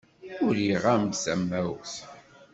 Uriɣ-am-d tamawt.